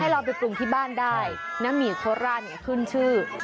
ให้เราไปปรุงที่บ้านได้น้ำหมี่โคลาดขึ้นชื่อ